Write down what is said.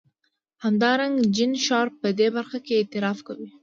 همدارنګه جین شارپ په دې برخه کې اعتراف کوي.